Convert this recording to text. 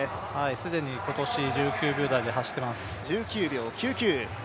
既に今年１９秒台で走っています。